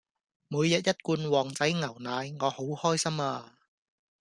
每日一罐旺仔牛奶我好開心啊